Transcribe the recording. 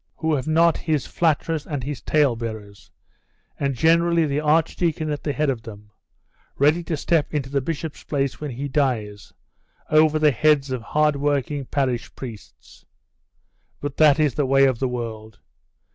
who had not his flatterers and his tale bearers, and generally the archdeacon at the head of them, ready to step into the bishop's place when he dies, over the heads of hard working parish priests. But that is the way of the world.